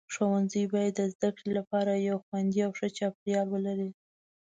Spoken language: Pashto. ښوونځي باید د زده کړې لپاره یو خوندي او ښه چاپیریال ولري.